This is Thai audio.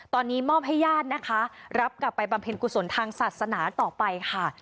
ตอนนี้มอบให้ญาตินะคะรับกลับไปบำเพ็ญกุศลทางศาสนาต่อไปค่ะ